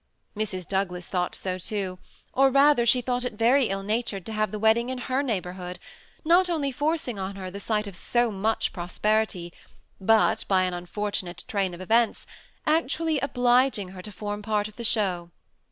Mrs. Douglas thought so too — or rather she thought it very ill natured to have the wed ding in her neighborhood, not only forcing on her the sight of so much prosperity, but, by an unfortunate train of events, actually obliging her to form part of the show.